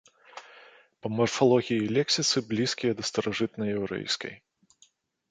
Па марфалогіі і лексіцы блізкая да старажытнаяўрэйскай.